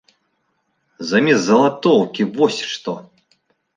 Замест залатоўкі вось што!